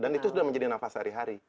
dan itu sudah menjadi nafas hari hari